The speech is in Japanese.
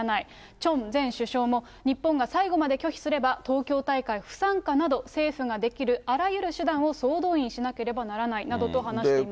チョン前首相も、日本が最後まで拒否すれば、東京大会不参加など、政府ができるあらゆる手段を総動員しなければならないなどと話しています。